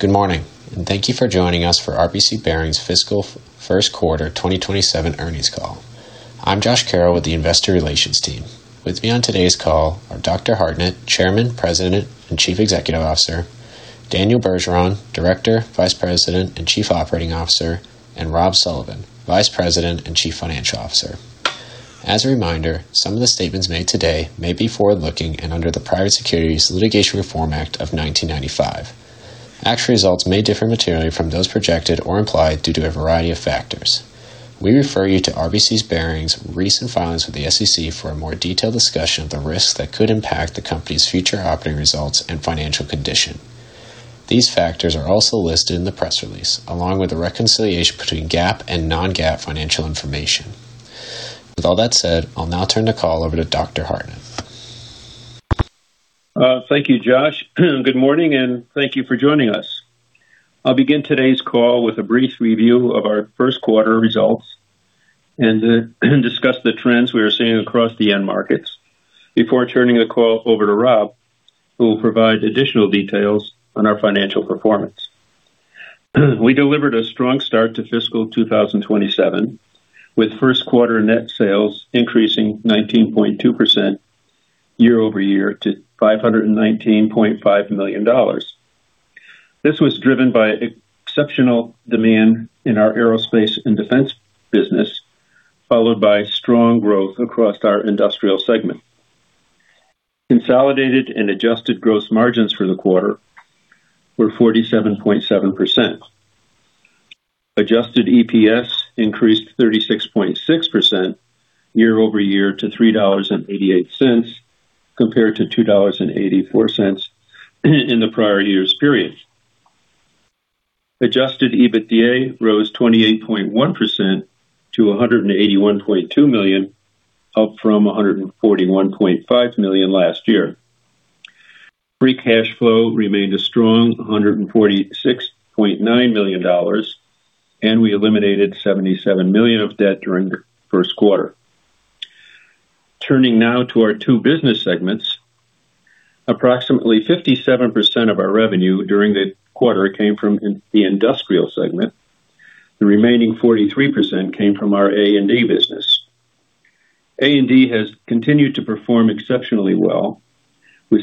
Good morning, thank you for joining us for RBC Bearings' fiscal first quarter 2027 earnings call. I'm Josh Carroll with the Investor Relations team. With me on today's call are Dr. Hartnett, Chairman, President, and Chief Executive Officer, Daniel Bergeron, Director, Vice President, and Chief Operating Officer, and Rob Sullivan, Vice President and Chief Financial Officer. As a reminder, some of the statements made today may be forward-looking under the Private Securities Litigation Reform Act of 1995. Actual results may differ materially from those projected or implied due to a variety of factors. We refer you to RBC Bearings' recent filings with the SEC for a more detailed discussion of the risks that could impact the company's future operating results and financial condition. These factors are also listed in the press release, along with a reconciliation between GAAP and non-GAAP financial information. With all that said, I'll now turn the call over to Dr. Hartnett. Thank you, Josh. Good morning, thank you for joining us. I'll begin today's call with a brief review of our first quarter results and discuss the trends we are seeing across the end markets before turning the call over to Rob, who will provide additional details on our financial performance. We delivered a strong start to fiscal 2027, with first quarter net sales increasing 19.2% year-over-year to $519.5 million. This was driven by exceptional demand in our Aerospace & Defense business, followed by strong growth across our Industrial segment. Consolidated and adjusted gross margins for the quarter were 47.7%. Adjusted EPS increased 36.6% year-over-year to $3.88, compared to $2.84 in the prior year's period. Adjusted EBITDA rose 28.1% to $181.2 million, up from $141.5 million last year. Free cash flow remained a strong $146.9 million, and we eliminated $77 million of debt during the first quarter. Turning now to our two business segments. Approximately 57% of our revenue during the quarter came from the Industrial segment. The remaining 43% came from our A&D business. A&D has continued to perform exceptionally well, with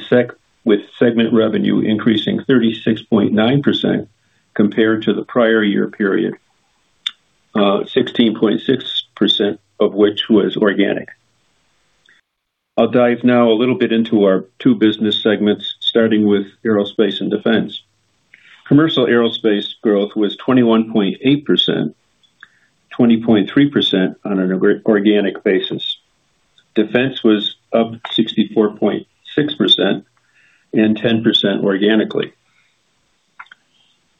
segment revenue increasing 36.9% compared to the prior year period, 16.6% of which was organic. I'll dive now a little bit into our two business segments, starting with Aerospace & Defense. Commercial Aerospace growth was 21.8%, 20.3% on an organic basis. Defense was up 64.6%, and 10% organically.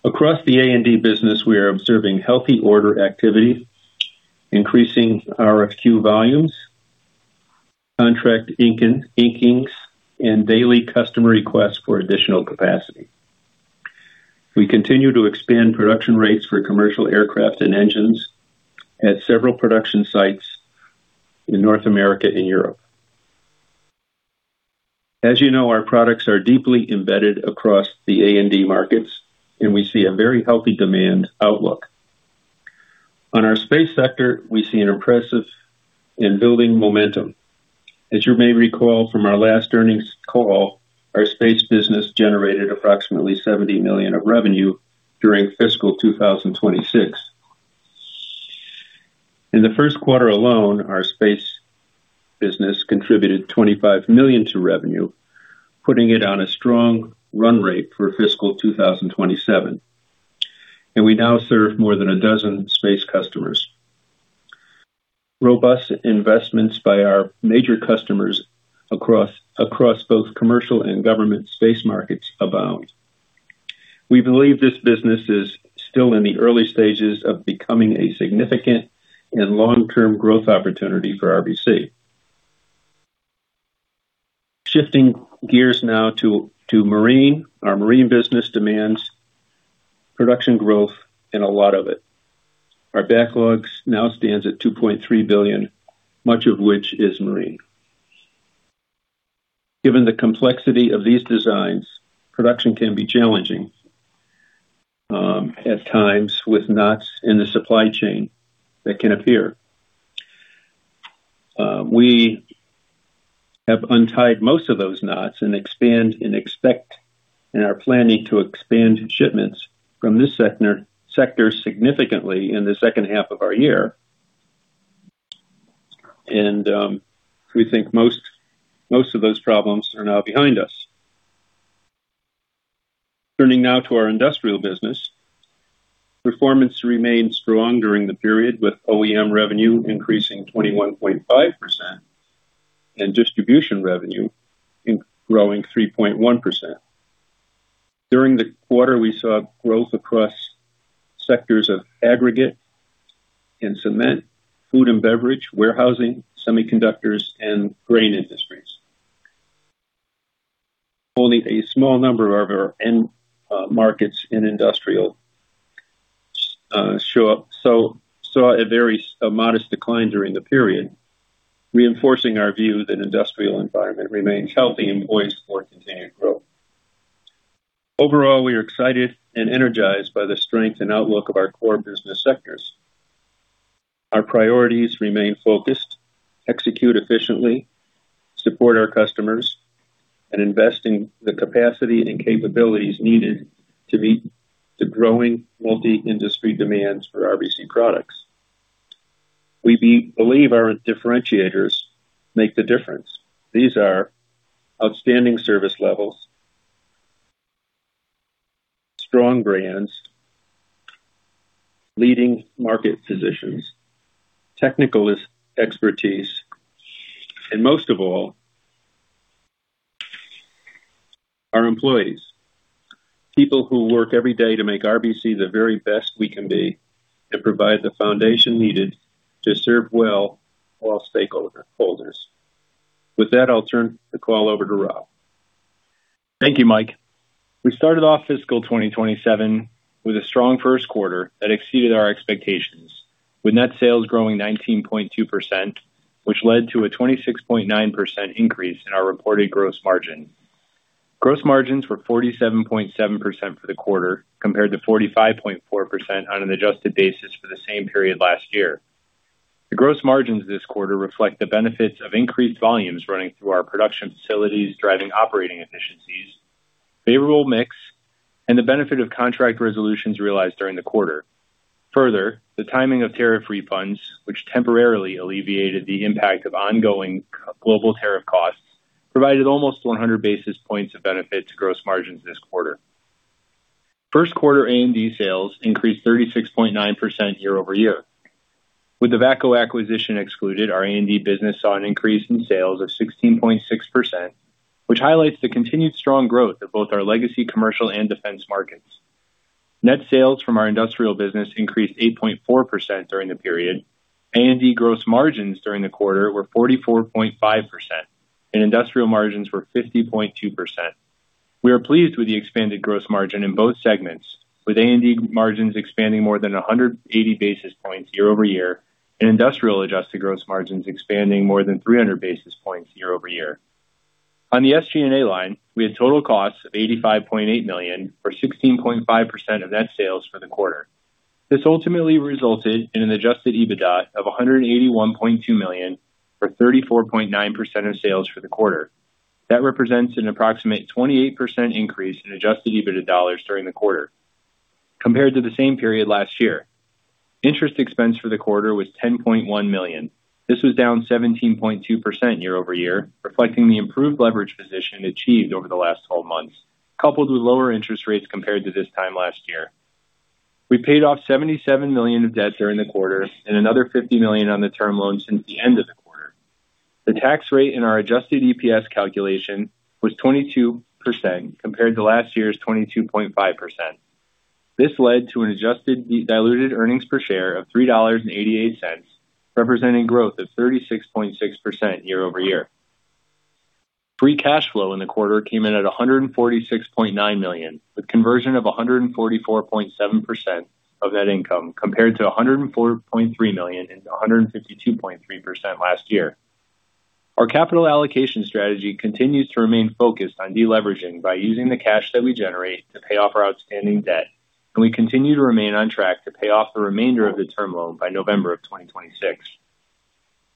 Across the A&D business, we are observing healthy order activity, increasing RFQ volumes, contract inkings, and daily customer requests for additional capacity. We continue to expand production rates for commercial aircraft and engines at several production sites in North America and Europe. As you know, our products are deeply embedded across the A&D markets. We see a very healthy demand outlook. Our space sector, we see an impressive and building momentum. As you may recall from our last earnings call, our space business generated approximately $70 million of revenue during fiscal 2026. In the first quarter alone, our space business contributed $25 million to revenue, putting it on a strong run rate for fiscal 2027. We now serve more than a dozen space customers. Robust investments by our major customers across both commercial and government space markets abound. We believe this business is still in the early stages of becoming a significant and long-term growth opportunity for RBC. Shifting gears now to marine. Our marine business demands production growth and a lot of it. Our backlogs now stands at $2.3 billion, much of which is marine. Given the complexity of these designs, production can be challenging at times with knots in the supply chain that can appear. We have untied most of those knots and are planning to expand shipments from this sector significantly in the second half of our year. We think most of those problems are now behind us. Turning now to our Industrial business. Performance remained strong during the period, with OEM revenue increasing 21.5% and distribution revenue growing 3.1%. During the quarter, we saw growth across sectors of aggregate and cement, food and beverage, warehousing, semiconductors, and grain industries. Only a small number of our end markets in Industrial showed a very modest decline during the period, reinforcing our view that industrial environment remains healthy and poised for continued growth. Overall, we are excited and energized by the strength and outlook of our core business sectors. Our priorities remain focused, execute efficiently, support our customers, and invest in the capacity and capabilities needed to meet the growing multi-industry demands for RBC products. We believe our differentiators make the difference. These are outstanding service levels, strong brands, leading market positions, technical expertise, and most of all, our employees. People who work every day to make RBC the very best we can be and provide the foundation needed to serve well all stakeholders. With that, I'll turn the call over to Rob. Thank you, Mike. We started off fiscal 2027 with a strong first quarter that exceeded our expectations, with net sales growing 19.2%, which led to a 26.9% increase in our reported gross margin. Gross margins were 47.7% for the quarter, compared to 45.4% on an adjusted basis for the same period last year. The gross margins this quarter reflect the benefits of increased volumes running through our production facilities, driving operating efficiencies, favorable mix, and the benefit of contract resolutions realized during the quarter. Further, the timing of tariff refunds, which temporarily alleviated the impact of ongoing global tariff costs, provided almost 100 basis points of benefit to gross margins this quarter. First quarter A&D sales increased 36.9% year-over-year. With the VACCO acquisition excluded, our A&D business saw an increase in sales of 16.6%, which highlights the continued strong growth of both our legacy commercial and defense markets. Net sales from our Industrial business increased 8.4% during the period. A&D gross margins during the quarter were 44.5%, and Industrial margins were 50.2%. We are pleased with the expanded gross margin in both segments, with A&D margins expanding more than 180 basis points year-over-year and Industrial adjusted gross margins expanding more than 300 basis points year-over-year. On the SG&A line, we had total costs of $85.8 million, or 16.5% of net sales for the quarter. This ultimately resulted in an adjusted EBITDA of $181.2 million or 34.9% of sales for the quarter. That represents an approximate 28% increase in adjusted EBITDA dollars during the quarter compared to the same period last year. Interest expense for the quarter was $10.1 million. This was down 17.2% year-over-year, reflecting the improved leverage position achieved over the last 12 months, coupled with lower interest rates compared to this time last year. We paid off $77 million of debt during the quarter and another $50 million on the term loan since the end of the quarter. The tax rate in our adjusted EPS calculation was 22% compared to last year's 22.5%. This led to an adjusted diluted earnings per share of $3.88, representing growth of 36.6% year-over-year. Free cash flow in the quarter came in at $146.9 million, with conversion of 144.7% of net income compared to $104.3 million and 152.3% last year. Our capital allocation strategy continues to remain focused on deleveraging by using the cash that we generate to pay off our outstanding debt, and we continue to remain on track to pay off the remainder of the term loan by November of 2026.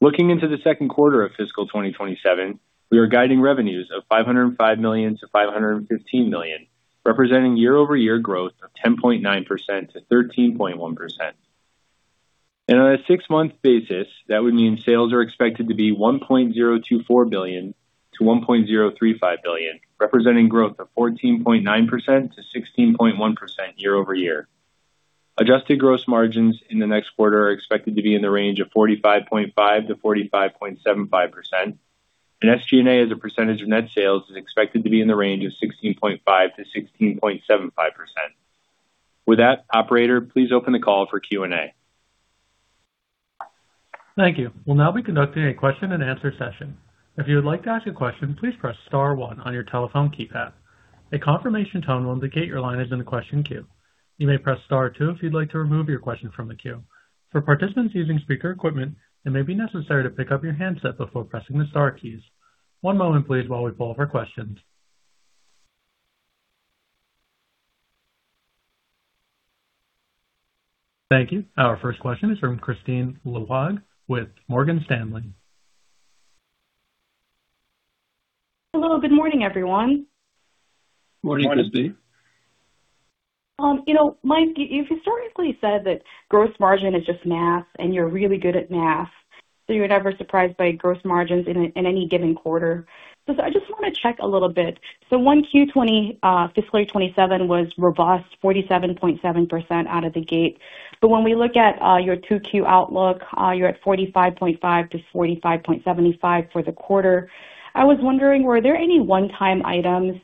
Looking into the second quarter of fiscal 2027, we are guiding revenues of $505 million-$515 million, representing year-over-year growth of 10.9%-13.1%. On a six-month basis, that would mean sales are expected to be $1.024 billion-$1.035 billion, representing growth of 14.9%-16.1% year-over-year. Adjusted gross margins in the next quarter are expected to be in the range of 45.5%-45.75%, and SG&A as a percentage of net sales is expected to be in the range of 16.5%-16.75%. With that, operator, please open the call for Q&A. Thank you. We'll now be conducting a question and answer session. If you would like to ask a question, please press star one on your telephone keypad. A confirmation tone will indicate your line is in the question queue. You may press star two if you'd like to remove your question from the queue. For participants using speaker equipment, it may be necessary to pick up your handset before pressing the star keys. One moment, please, while we pull up our questions. Thank you. Our first question is from Kristine Liwag with Morgan Stanley. Hello, good morning, everyone. Morning, Kristine. Mike, you've historically said that gross margin is just math and you're really good at math, so you're never surprised by gross margins in any given quarter. I just want to check a little bit. 1Q fiscal year 2027 was robust, 47.7% out of the gate. When we look at your 2Q outlook, you're at 45.5%-45.75% for the quarter. I was wondering, were there any one-time items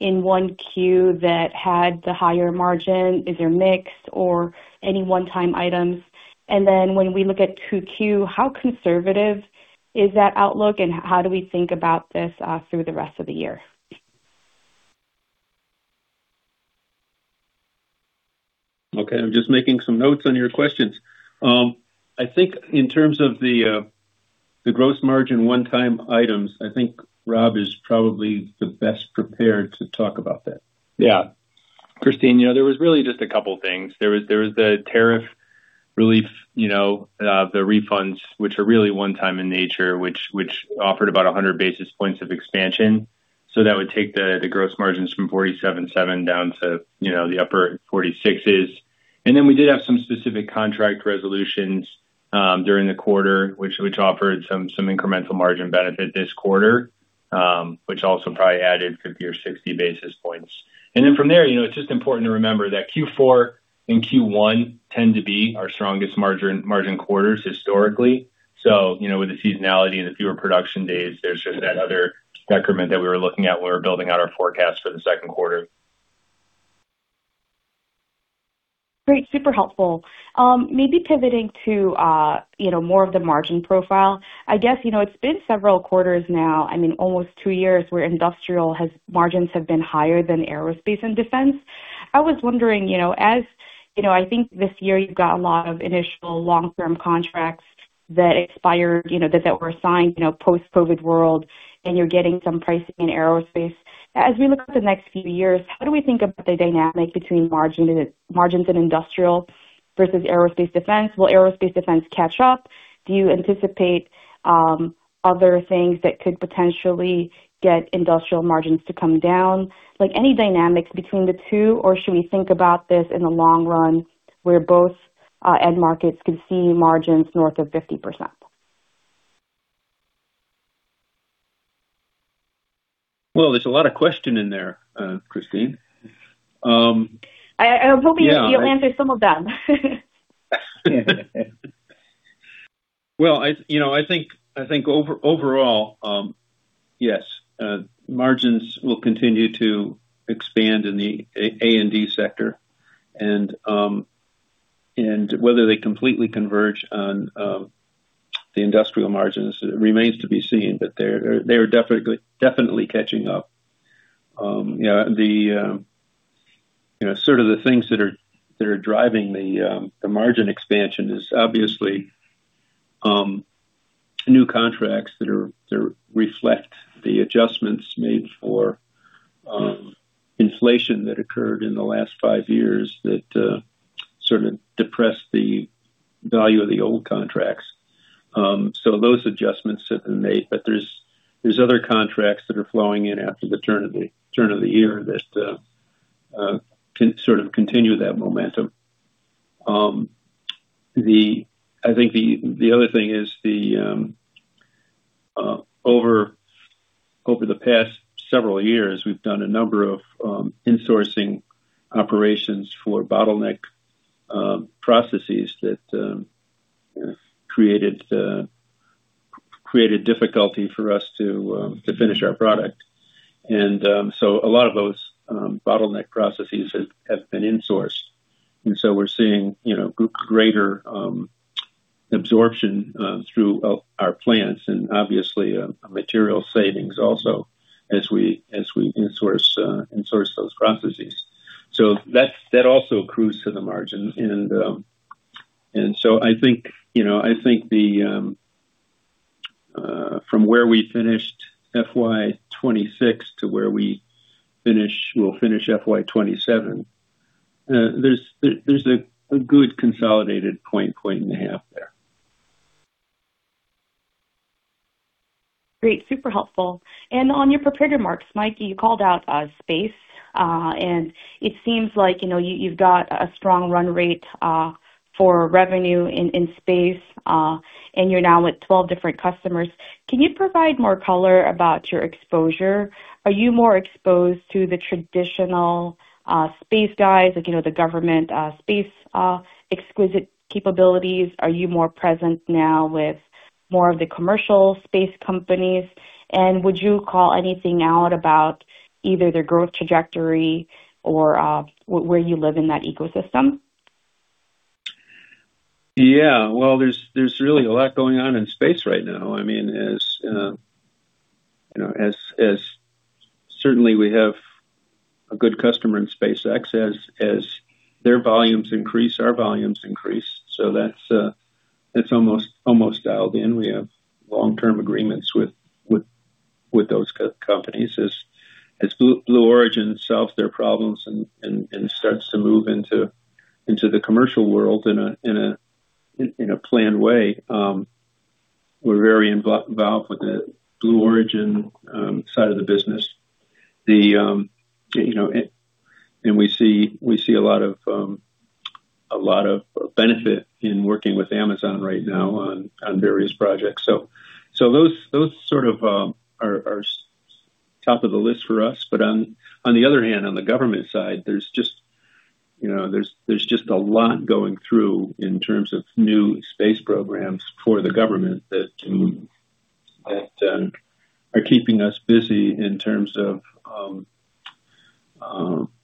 in 1Q that had the higher margin? Is there mix or any one-time items? When we look at 2Q, how conservative is that outlook, and how do we think about this through the rest of the year? Okay. I'm just making some notes on your questions. I think in terms of the gross margin one-time items, I think Rob is probably the best prepared to talk about that. Yeah. Kristine, there was really just a couple things. There was the tariff relief, the refunds, which are really one time in nature, which offered about 100 basis points of expansion. That would take the gross margins from 47.7% down to the upper 46s%. We did have some specific contract resolutions during the quarter, which offered some incremental margin benefit this quarter, which also probably added 50 or 60 basis points. From there, it's just important to remember that Q4 and Q1 tend to be our strongest margin quarters historically. With the seasonality and the fewer production days, there's just that other decrement that we were looking at when we were building out our forecast for the second quarter. Great. Super helpful. Maybe pivoting to more of the margin profile. I guess, it's been several quarters now, almost two years, where Industrial margins have been higher than Aerospace & Defense. I was wondering, I think this year you've got a lot of initial long-term contracts that expired, that were signed post-COVID world, and you're getting some pricing in Aerospace. As we look at the next few years, how do we think about the dynamic between margins in Industrial versus Aerospace & Defense? Will Aerospace & Defense catch up? Do you anticipate other things that could potentially get Industrial margins to come down? Like any dynamics between the two, or should we think about this in the long run where both end markets could see margins north of 50%? Well, there's a lot of question in there, Kristine. I was hoping- Yeah. You'll answer some of them. Well, I think overall, yes. Margins will continue to expand in the A&D sector, whether they completely converge on the Industrial margins remains to be seen. They are definitely catching up. Sort of the things that are driving the margin expansion is obviously new contracts that reflect the adjustments made for inflation that occurred in the last five years that sort of depressed the value of the old contracts. Those adjustments have been made, but there's other contracts that are flowing in after the turn of the year that can sort of continue that momentum. I think the other thing is over the past several years, we've done a number of insourcing operations for bottleneck processes that created difficulty for us to finish our product. A lot of those bottleneck processes have been insourced. We're seeing greater absorption through our plants and obviously, material savings also as we insource those processes. That also accrues to the margin. I think from where we finished FY 2026 to where we'll finish FY 2027, there's a good consolidated point and a half there. Great. Super helpful. On your prepared remarks, Mike, you called out space. It seems like you've got a strong run rate for revenue in space. You're now with 12 different customers. Can you provide more color about your exposure? Are you more exposed to the traditional space guys, like, the government space exquisite capabilities? Are you more present now with more of the commercial space companies? Would you call anything out about either their growth trajectory or where you live in that ecosystem? Well, there's really a lot going on in space right now. Certainly, we have a good customer in SpaceX. As their volumes increase, our volumes increase. That's almost dialed in. We have long-term agreements with those companies. As Blue Origin solves their problems and starts to move into the commercial world in a planned way. We're very involved with the Blue Origin side of the business. We see a lot of benefit in working with Amazon right now on various projects. Those sort of are top of the list for us. On the other hand, on the government side, there's just a lot going through in terms of new space programs for the government that are keeping us busy in terms of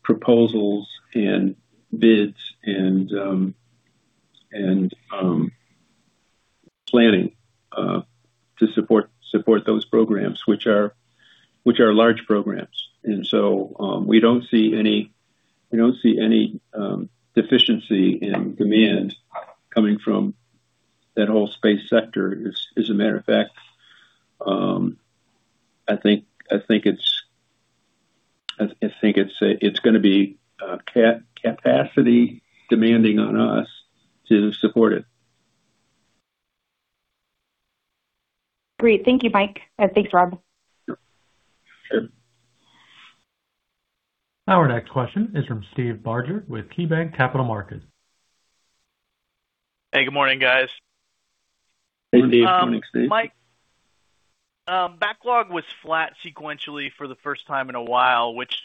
proposals and bids and planning to support those programs, which are large programs. We don't see any deficiency in demand coming from that whole space sector. As a matter of fact, I think it's going to be capacity demanding on us to support it. Great. Thank you, Mike. Thanks, Rob. Sure. Our next question is from Steve Barger with KeyBanc Capital Markets. Hey, good morning, guys. Hey, Steve. Good morning, Steve. Mike, backlog was flat sequentially for the first time in a while, which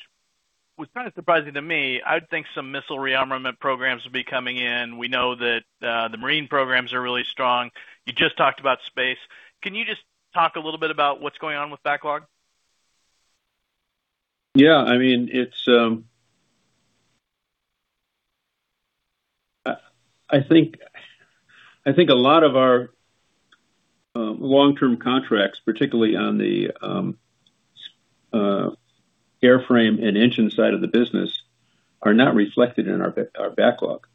was kind of surprising to me. I would think some missile rearmament programs would be coming in. We know that the marine programs are really strong. You just talked about space. Can you just talk a little bit about what's going on with backlog? Yeah. I think a lot of our long-term contracts, particularly on the airframe and engine side of the business, are not reflected in our backlog.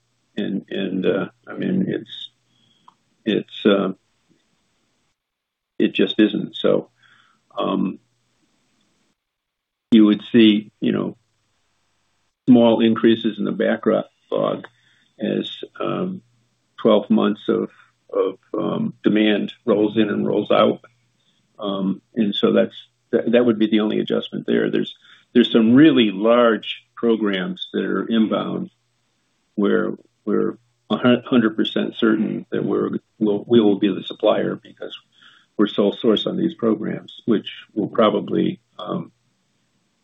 It just isn't. You would see small increases in the backlog as 12 months of demand rolls in and rolls out. That would be the only adjustment there. There's some really large programs that are inbound where we're 100% certain that we will be the supplier because we're sole source on these programs, which will probably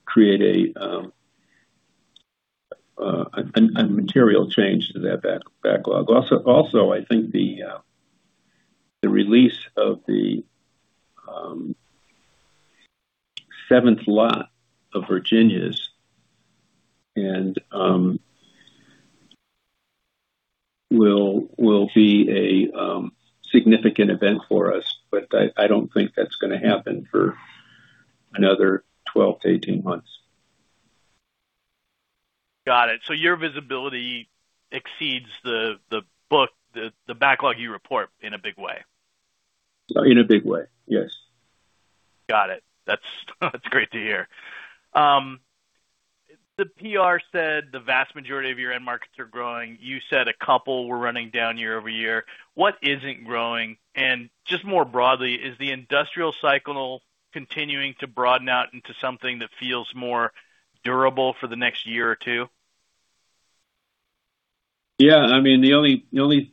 create a material change to that backlog. Also, I think the release of the seventh lot of Virginias will be a significant event for us, but I don't think that's going to happen for another 12-18 months. Got it. Your visibility exceeds the book, the backlog you report in a big way. In a big way. Yes. Got it. That's great to hear. The PR said the vast majority of your end markets are growing. You said a couple were running down year-over-year. What isn't growing? Just more broadly, is the industrial cycle continuing to broaden out into something that feels more durable for the next year or two? Yeah. The only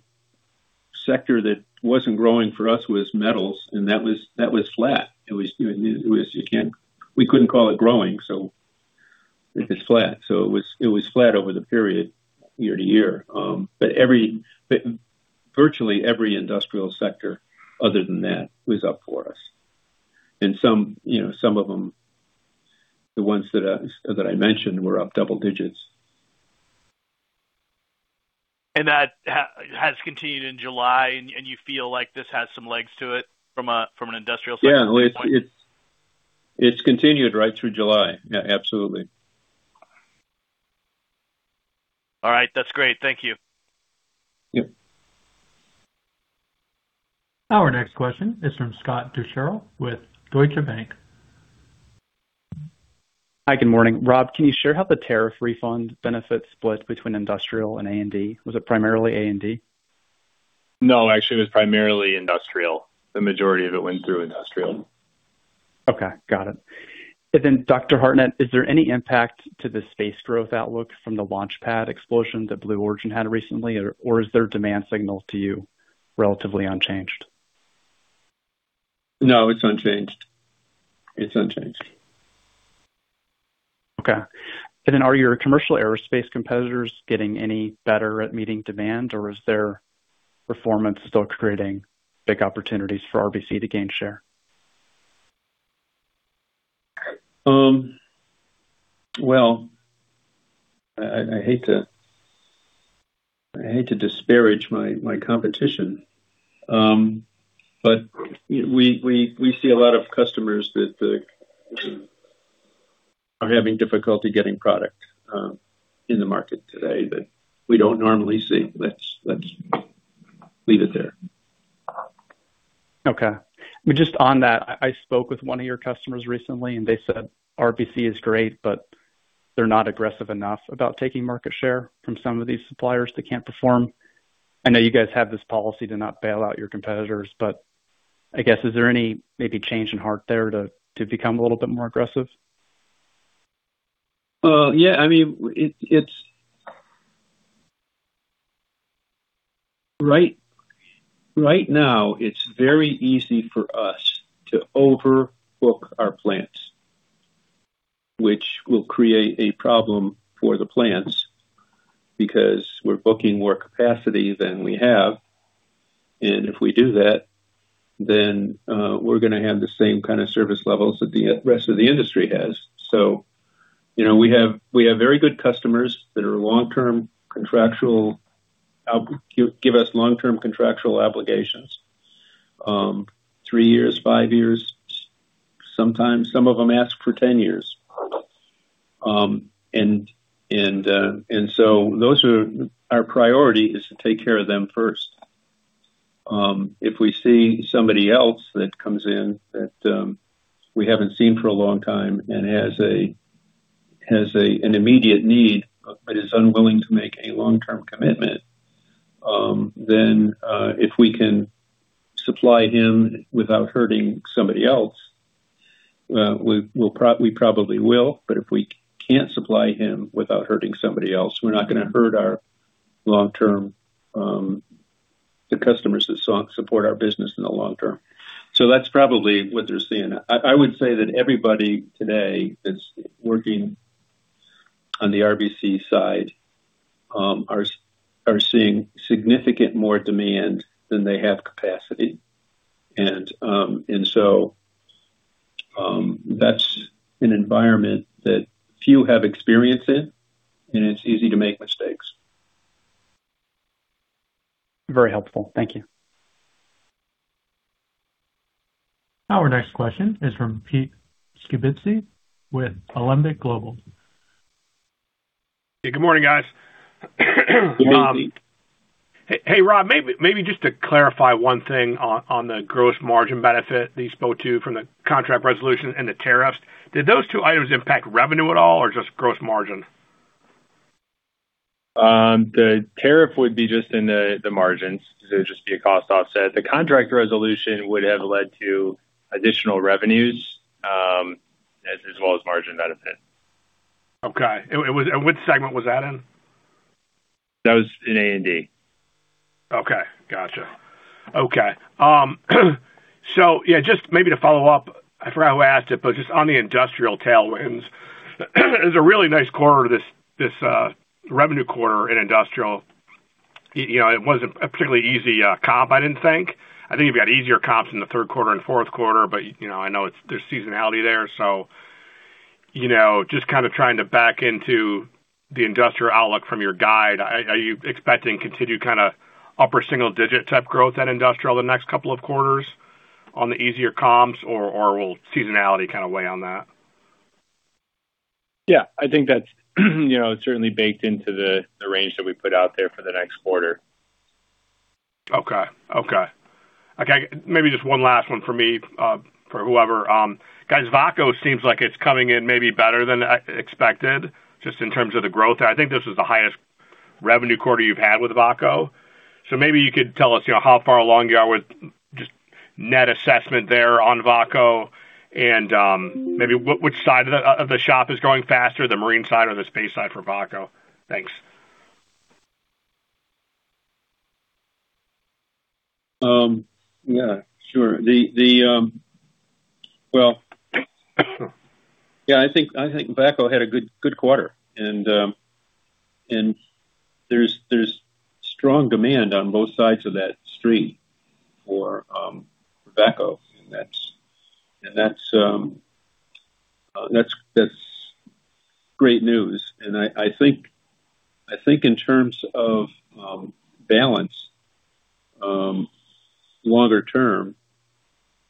sector that wasn't growing for us was metals, and that was flat. We couldn't call it growing, it was flat. It was flat over the period year-to-year. Virtually every Industrial sector other than that was up for us. Some of them, the ones that I mentioned, were up double digits. That has continued in July, and you feel like this has some legs to it from an Industrial sector standpoint? Yeah. It's continued right through July. Yeah, absolutely. All right. That's great. Thank you. Yep. Our next question is from Scott Deuschle with Deutsche Bank. Hi, good morning. Rob, can you share how the tariff refund benefit split between Industrial and A&D? Was it primarily A&D? No, actually, it was primarily Industrial. The majority of it went through Industrial. Okay. Got it. Dr. Hartnett, is there any impact to the space growth outlook from the launch pad explosion that Blue Origin had recently, or is their demand signal to you relatively unchanged? No, it's unchanged. Okay. Then are your commercial aerospace competitors getting any better at meeting demand, or is their performance still creating big opportunities for RBC to gain share? Well, I hate to disparage my competition, but we see a lot of customers that are having difficulty getting product in the market today that we don't normally see. Let's leave it there. Okay. Just on that, I spoke with one of your customers recently, they said RBC is great, but they're not aggressive enough about taking market share from some of these suppliers that can't perform. I know you guys have this policy to not bail out your competitors, but I guess, is there any maybe change in heart there to become a little bit more aggressive? Yeah. Right now, it's very easy for us to overbook our plants, which will create a problem for the plants because we're booking more capacity than we have. If we do that, then we're going to have the same kind of service levels that the rest of the industry has. We have very good customers that give us long-term contractual obligations. Three years, five years. Sometimes, some of them ask for 10 years. Our priority is to take care of them first. If we see somebody else that comes in that we haven't seen for a long time and has an immediate need, is unwilling to make a long-term commitment, then if we can supply him without hurting somebody else, we probably will. If we can't supply him without hurting somebody else, we're not going to hurt the customers that support our business in the long term. That's probably what they're seeing. I would say that everybody today that's working on the RBC side are seeing significant more demand than they have capacity. That's an environment that few have experience in, and it's easy to make mistakes. Very helpful. Thank you. Our next question is from Pete Skibitski with Alembic Global. Good morning, guys. Good morning, Pete. Hey, Rob, maybe just to clarify one thing on the gross margin benefit that you spoke to from the contract resolution and the tariffs. Did those two items impact revenue at all or just gross margin? The tariff would be just in the margins. It would just be a cost offset. The contract resolution would have led to additional revenues, as well as margin benefit. Okay. What segment was that in? That was in A&D. Okay. Gotcha. Okay. Yeah, just maybe to follow up. I forgot who asked it, but just on the Industrial tailwinds, it was a really nice quarter, this revenue quarter in Industrial. It wasn't a particularly easy comp, I didn't think. I think you've got easier comps in the third quarter and fourth quarter, but I know there's seasonality there. Just kind of trying to back into the Industrial outlook from your guide. Are you expecting continued kind of upper single-digit type growth at Industrial the next couple of quarters on the easier comps, or will seasonality kind of weigh on that? Yeah, I think that's certainly baked into the range that we put out there for the next quarter. Okay. Maybe just one last one for me, for whoever. Guys, VACCO seems like it's coming in maybe better than expected, just in terms of the growth. I think this is the highest revenue quarter you've had with VACCO. Maybe you could tell us how far along you are with just net assessment there on VACCO, and maybe which side of the shop is growing faster, the marine side or the space side for VACCO. Thanks. Yeah, sure. Well, yeah, I think VACCO had a good quarter. There's strong demand on both sides of that street for VACCO. That's great news. I think in terms of balance, longer term,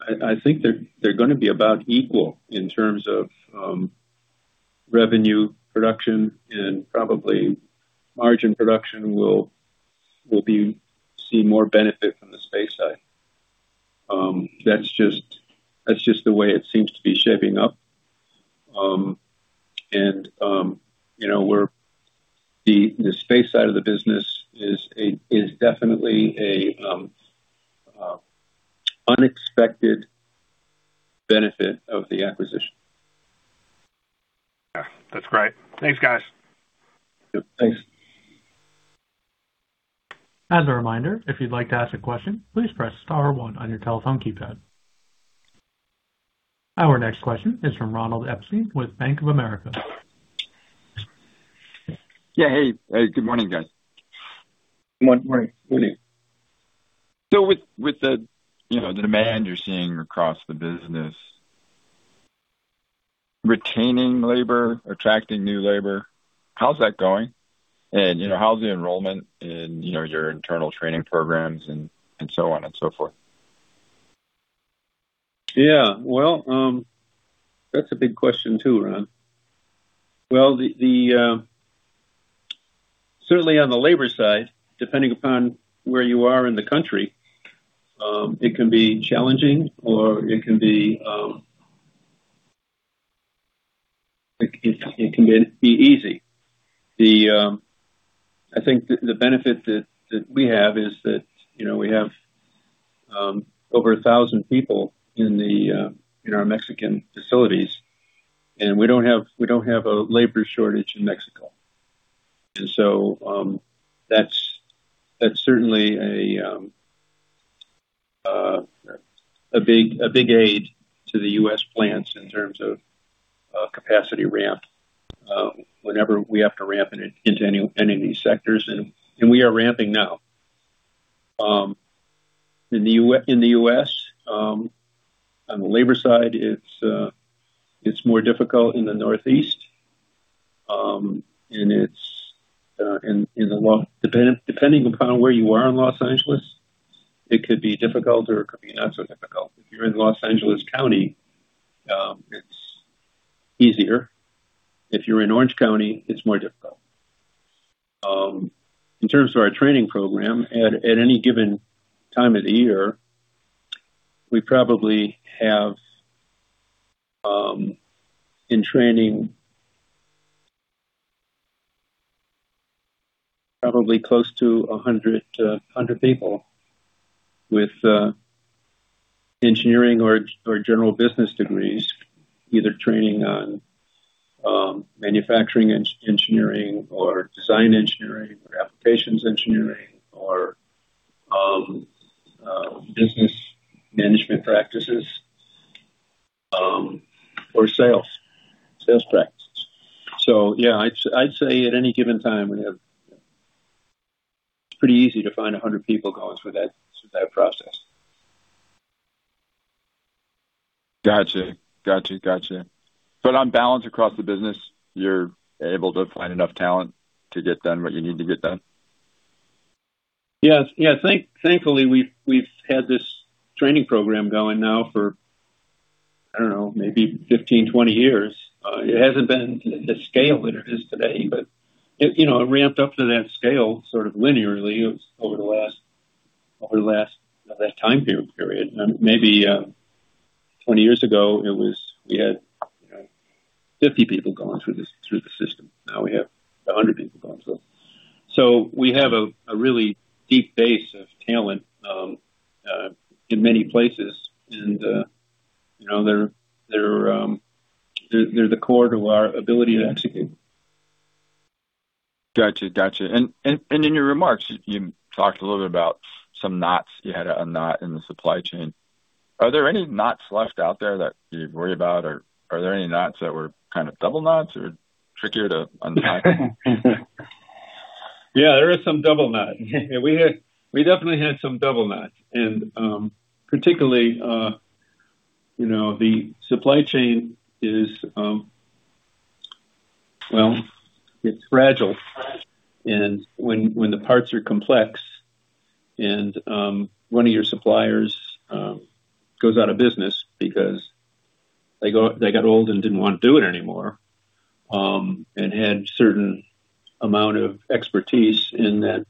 I think they're going to be about equal in terms of revenue production, and probably margin production will see more benefit from the space side. That's just the way it seems to be shaping up. The space side of the business is definitely a unexpected benefit of the acquisition. Yeah. That's great. Thanks, guys. Thanks. As a reminder, if you'd like to ask a question, please press star one on your telephone keypad. Our next question is from Ronald Epstein with Bank of America. Yeah, hey. Good morning, guys. Good morning. Good morning. With the demand you're seeing across the business, retaining labor, attracting new labor, how's that going? How's the enrollment in your internal training programs, and so on and so forth? Yeah. Well, that's a big question, too, Ron. Well, certainly on the labor side, depending upon where you are in the country, it can be challenging, or it can be easy. I think the benefit that we have is that we have over 1,000 people in our Mexican facilities, and we don't have a labor shortage in Mexico. That's certainly a big aid to the U.S. plants in terms of capacity ramp, whenever we have to ramp into any of these sectors, and we are ramping now In the U.S., on the labor side, it's more difficult in the Northeast. Depending upon where you are in Los Angeles, it could be difficult or it could be not so difficult. If you're in Los Angeles County, it's easier. If you're in Orange County, it's more difficult. In terms of our training program, at any given time of the year, we probably have, in training, probably close to 100 people with engineering or general business degrees, either training on manufacturing engineering or design engineering or applications engineering or business management practices, or sales practices. Yeah, I'd say at any given time, it's pretty easy to find 100 people going through that process. Got you. On balance across the business, you're able to find enough talent to get done what you need to get done? Yes. Thankfully, we've had this training program going now for, I don't know, maybe 15, 20 years. It hasn't been the scale that it is today, but it ramped up to that scale sort of linearly over that time period. Maybe 20 years ago, we had 50 people going through the system. Now we have 100 people going through. We have a really deep base of talent in many places, and they're the core to our ability to execute. Got you. In your remarks, you talked a little bit about some knots. You had a knot in the supply chain. Are there any knots left out there that you worry about, or are there any knots that were kind of double knots or trickier to untie? Yeah, there is some double knot. We definitely had some double knots. Particularly, the supply chain is, well, it's fragile. When the parts are complex and one of your suppliers goes out of business because they got old and didn't want to do it anymore, and had certain amount of expertise in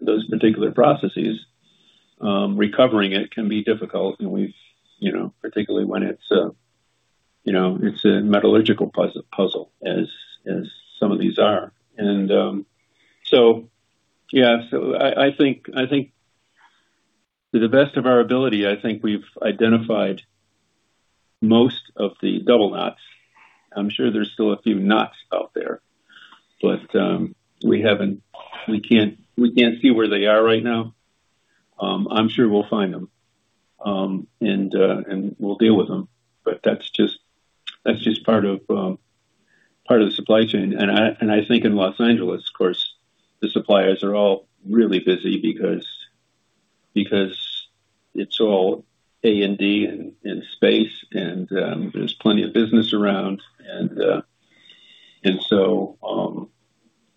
those particular processes, recovering it can be difficult, particularly when it's a metallurgical puzzle, as some of these are. I think to the best of our ability, I think we've identified most of the double knots. I'm sure there's still a few knots out there, but we can't see where they are right now. I'm sure we'll find them, and we'll deal with them. That's just part of the supply chain. I think in Los Angeles, of course, the suppliers are all really busy because it's all A&D and space and there's plenty of business around.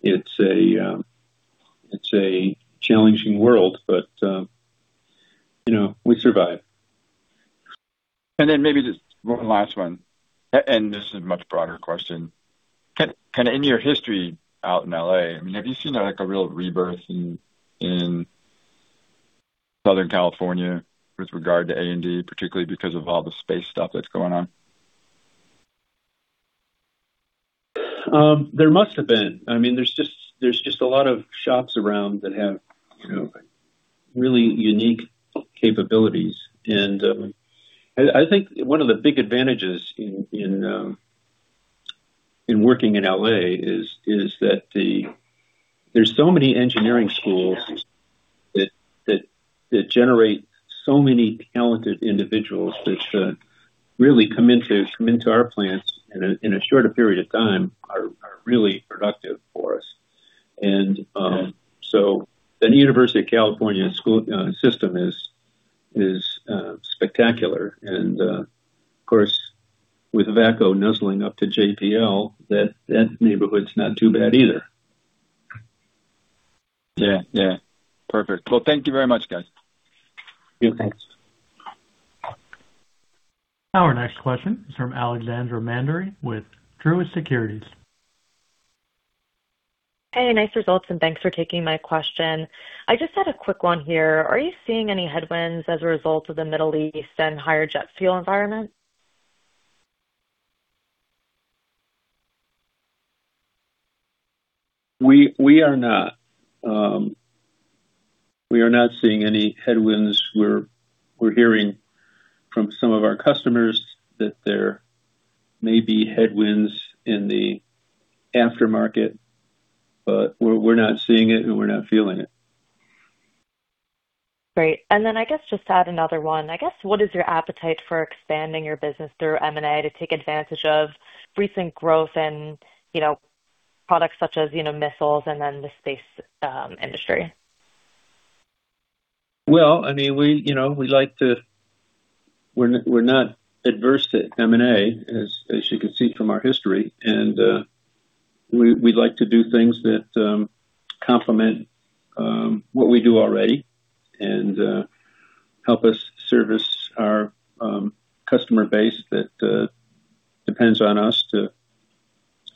It's a challenging world, but we survive. Maybe just one last one, and this is a much broader question. Kind of in your history out in L.A., have you seen a real rebirth in Southern California with regard to A&D, particularly because of all the space stuff that's going on? There must have been. There's just a lot of shops around that have really unique capabilities, I think one of the big advantages in working in L.A. is that there's so many engineering schools that generate so many talented individuals that really come into our plants in a shorter period of time, are really productive for us. The University of California school system is spectacular. Of course, with VACCO nuzzling up to JPL, that neighborhood's not too bad either. Yeah. Perfect. Well, thank you very much, guys. Yeah, thanks. Our next question is from Alexandra Mandery with Truist Securities. Hey, nice results, and thanks for taking my question. I just had a quick one here. Are you seeing any headwinds as a result of the Middle East and higher jet fuel environment? We are not. We are not seeing any headwinds. We're hearing from some of our customers that there may be headwinds in the aftermarket, but we're not seeing it, and we're not feeling it. Great. I guess just to add another one. I guess what is your appetite for expanding your business through M&A to take advantage of recent growth and products such as missiles and the space industry? Well, we're not adverse to M&A, as you can see from our history. We like to do things that complement what we do already and help us service our customer base that depends on us to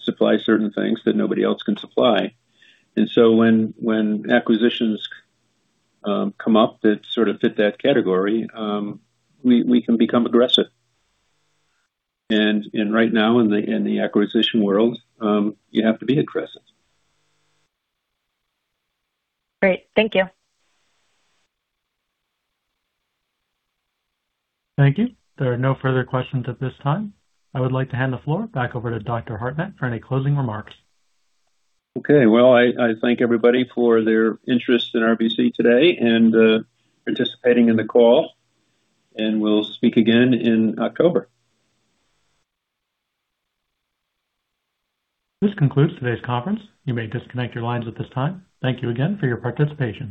supply certain things that nobody else can supply. When acquisitions come up that sort of fit that category, we can become aggressive. Right now, in the acquisition world, you have to be aggressive. Great. Thank you. Thank you. There are no further questions at this time. I would like to hand the floor back over to Dr. Hartnett for any closing remarks. Okay. Well, I thank everybody for their interest in RBC today and participating in the call, and we'll speak again in October. This concludes today's conference. You may disconnect your lines at this time. Thank you again for your participation.